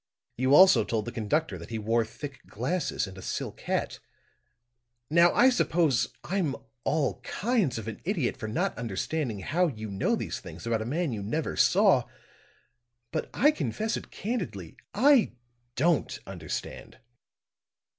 You also told the conductor that he wore thick glasses and a silk hat. Now, I suppose I'm all kinds of an idiot for not understanding how you know these things about a man you never saw. But I confess it candidly; I don't understand."